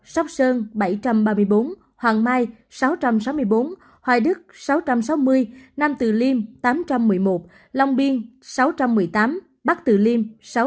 bảy trăm bốn mươi ba sóc sơn bảy trăm ba mươi bốn hoàng mai sáu trăm sáu mươi bốn hoài đức sáu trăm sáu mươi nam từ liêm tám trăm một mươi một long biên sáu trăm một mươi tám bắc từ liêm sáu trăm linh một